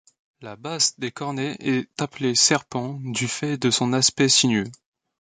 La basse des cornets est appelée serpent, du fait de son aspect sinueux.